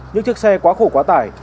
những chiếc xe quá khổ quá tải